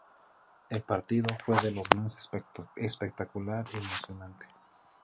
El partido fue de lo más espectacular y emocionante.